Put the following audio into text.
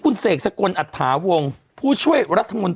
กองสลากพลัส